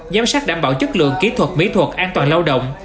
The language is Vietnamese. giám sát đảm bảo chất lượng kỹ thuật mỹ thuật an toàn lao động